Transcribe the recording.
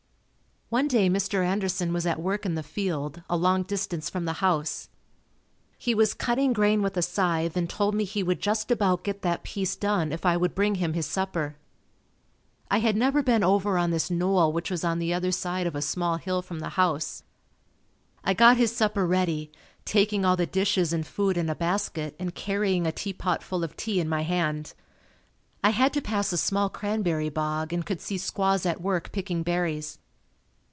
One day Mr. Anderson was at work in the field, a long distance from the house. He was cutting grain with a scythe and told me he would just about get that piece done if I would bring him his supper. I had never been over on this knoll which was on the other side of a small hill from the house. I got his supper ready, taking all the dishes and food in a basket and carrying a teapot full of tea in my hand. I had to pass a small cranberry bog and could see squaws at work picking berries.